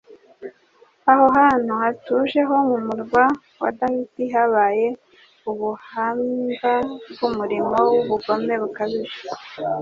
Aho hantu hatuje ho mu murwa wa Dawidi habaye ubuhamva bw'umurimo w'ubugome bukabije;